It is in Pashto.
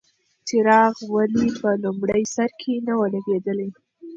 څراغ ولې په لومړي سر کې نه و لګېدلی؟